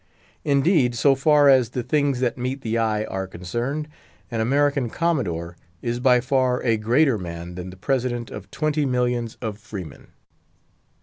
Indeed, so far as the things that meet the eye are concerned, an American Commodore is by far a greater man than the President of twenty millions of freemen.